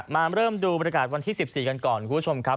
มาเริ่มดูบรรยากาศวันที่๑๔กันก่อนคุณผู้ชมครับ